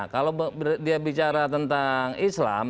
kalau dia bicara tentang islam